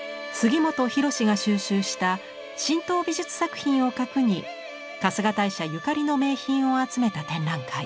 杉本博司が収集した神道美術作品を核に春日大社ゆかりの名品を集めた展覧会。